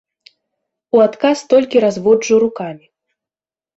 У адказ толькі разводжу рукамі.